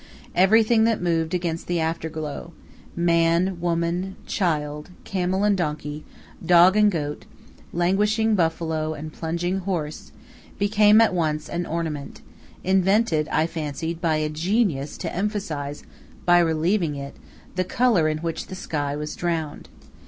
Everything that moved against the afterglow man, woman, child, camel and donkey, dog and goat, languishing buffalo, and plunging horse became at once an ornament, invented, I fancied, by a genius to emphasize, by relieving it, the color in which the sky was drowned.